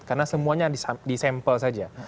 karena semuanya disampel saja